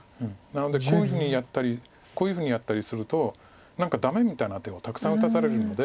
なのでこういうふうにやったりこういうふうにやったりすると何かダメみたいな手をたくさん打たされるので。